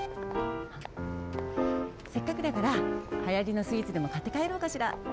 せっかくだからはやりのスイーツでもかってかえろうかしら。